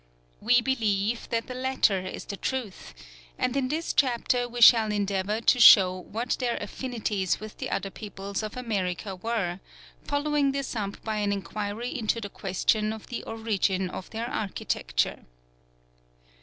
We believe that the latter is the truth; and in this chapter we shall endeavour to show what their affinities with the other peoples of America were, following this up by an inquiry into the question of the origin of their architecture.